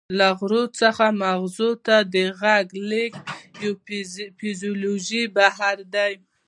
له غوږ څخه مغزو ته د غږ لیږد یو فزیولوژیکي بهیر دی